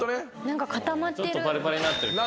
・何か固まってる。